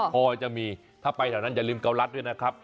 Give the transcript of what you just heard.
พอจะมีถ้าไปแถวนั้นอย่าลืมเกาลัดด้วยนะครับ